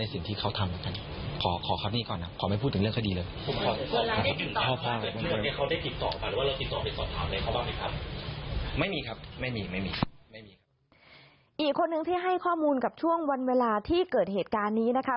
อีกคนนึงที่ให้ข้อมูลกับช่วงวันเวลาที่เกิดเหตุการณ์นี้นะคะ